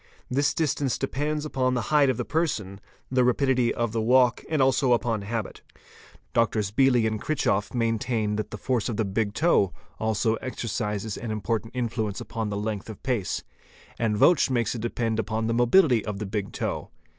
This distance depends upon the height of the person, the rapidity of the walk, and also upon habit. Drs. Beely & Krichhoff ® maintain that the force of the big toe also exercises an important influence upon the length of pace, and Vétsch 6 8) makes it depend upon the mobility of the big toe.